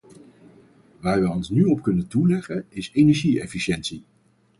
Waar wij ons nu op kunnen toeleggen is energie-efficiëntie.